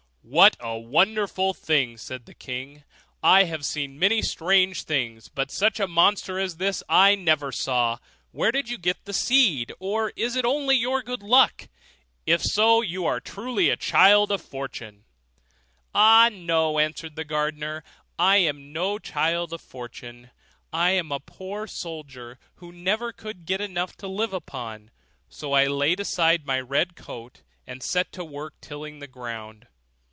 'What a wonderful thing!' said the king; 'I have seen many strange things, but such a monster as this I never saw. Where did you get the seed? or is it only your good luck? If so, you are a true child of fortune.' 'Ah, no!' answered the gardener, 'I am no child of fortune; I am a poor soldier, who never could get enough to live upon; so I laid aside my red coat, and set to work, tilling the ground.